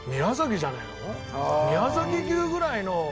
宮崎牛ぐらいの。